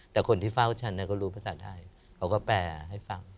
แต่คนที่เฝ้าฉันก็รู้ภาษาไทยเขาก็แปลให้ฟัง